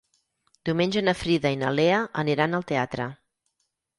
Diumenge na Frida i na Lea aniran al teatre.